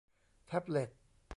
แท็บเลต